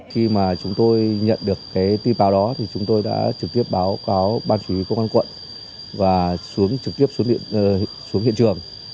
khi mà chúng tôi nhận được cái tin báo đó thì chúng tôi đã trực tiếp báo cáo ban chủ yếu công an quận và xuống trực tiếp xuống điện xuống hiện trường